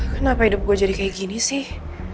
kenapa hidup gue jadi kayak gini sih